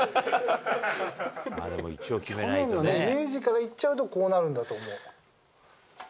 去年のイメージからいっちゃうと、こうなるんだと思う。